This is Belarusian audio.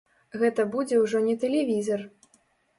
Гэта будзе ўжо не тэлевізар.